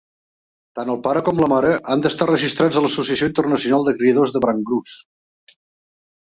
Tant el pare com la mare han d'estar registrats a l'Associació internacional de criadors de Brangus.